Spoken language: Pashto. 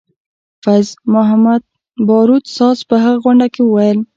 فیض محمدباروت ساز په هغه غونډه کې وویل.